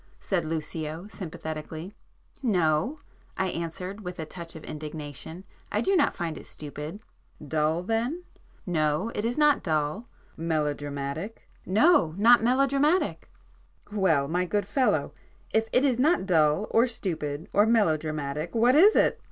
said Lucio sympathetically. "No," I answered with a touch of indignation—"I do not find it stupid." "Dull then?" "No,—it is not dull." "Melodramatic?" "No,—not melodramatic." "Well, my good fellow, if it is not dull or stupid or melodramatic, what is it!"